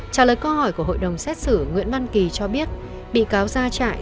trả lời câu hỏi của hội đồng xét xử nguyễn văn kỳ cho biết bị cáo ra trại